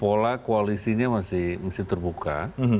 pola koalisinya masih terbuka